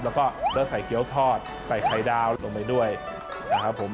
แล้วก็ได้ใส่เกี้ยวทอดใส่ไข่ดาวลงไปด้วยนะครับผม